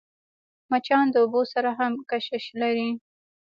مچان د اوبو سره هم کشش لري